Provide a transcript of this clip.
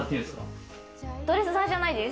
ドレッサーじゃないです。